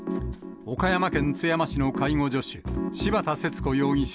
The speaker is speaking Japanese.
岡山県津山市の介護助手、柴田節子容疑者